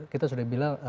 kita sudah bilang